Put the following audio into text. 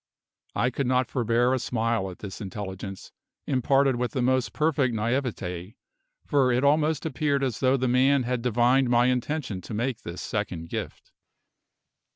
I could not forbear a smile at this intelligence, imparted with the most perfect naivete, for it almost appeared as though the man had divined my intention to make this second gift.